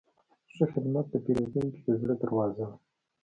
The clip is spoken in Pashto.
ښه خدمت د پیرودونکي د زړه دروازه ده.